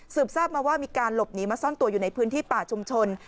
ทราบมาว่ามีการหลบหนีมาซ่อนตัวอยู่ในพื้นที่ป่าชุมชน